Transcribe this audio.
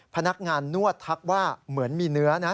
พนักงานนวดทักว่าเหมือนมีเนื้อนะ